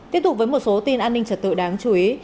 tiếp tục với một số tin an ninh trật tự đáng chú ý